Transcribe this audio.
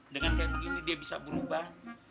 dengan kayak begini dia bisa berubah